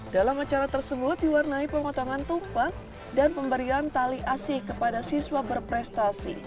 dalam acara tersebut diwarnai pemotongan tumpang dan pemberian tali asih kepada siswa berprestasi